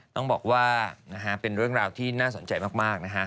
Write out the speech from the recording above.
ต้องบอกว่าเป็นเรื่องราวที่น่าสนใจมากนะฮะ